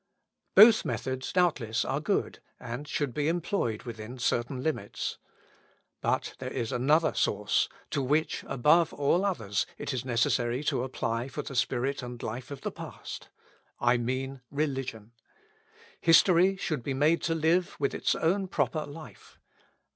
Both methods doubtless are good, and should be employed within certain limits. But there is another source to which, above all others, it is necessary to apply for the spirit and life of the past I mean Religion. History should be made to live with its own proper life.